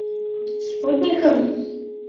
Спутникым?